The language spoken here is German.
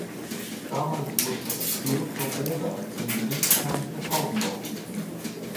Damals wurde das Kloster Roda zum Gerichtsherrn für Tautendorf bestimmt.